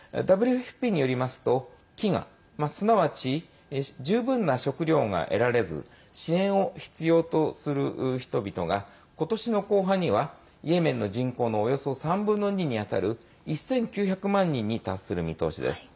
ＷＦＰによりますと飢餓、すなわち十分な食糧が得られず支援を必要とする人々がことしの後半にはイエメンの人口のおよそ３分の２にあたる１９００万人に達する見通しです。